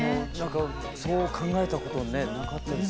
そう考えたことねなかったです。